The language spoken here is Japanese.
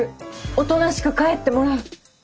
おとなしく帰ってもらう。